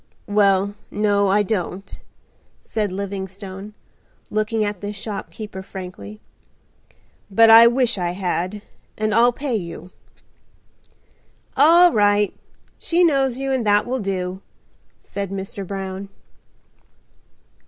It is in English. "Well, no, I don't," said Livingstone, looking at the shopkeeper frankly; "but I wish I had, and I'll pay you." "All right. She knows you and that will do," said Mr. Brown.